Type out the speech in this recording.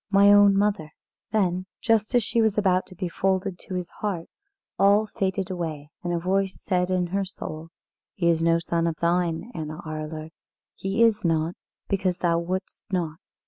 my own mother!" Then just as she was about to be folded to his heart, all faded away, and a voice said in her soul: "He is no son of thine, Anna Arler. He is not, because thou wouldest not.